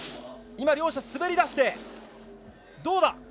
今、両者滑り出して、どうだ！